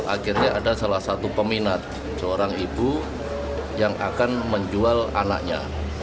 akhirnya ada salah satu peminat seorang ibu yang akan menjual anaknya